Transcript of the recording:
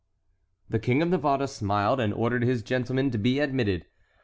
The King of Navarre smiled and ordered his gentlemen to be admitted.